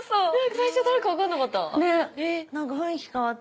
最初誰か分かんなかった。